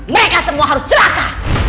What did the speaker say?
mereka semua harus celaka